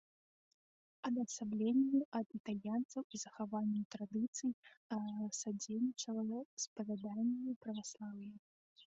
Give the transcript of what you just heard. Адасабленню ад італьянцаў і захаванню традыцый садзейнічала спавяданне праваслаўя.